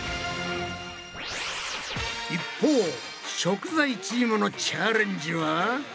一方食材チームのチャレンジは？